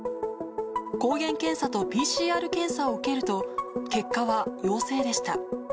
抗原検査とＰＣＲ検査を受けると、結果は陽性でした。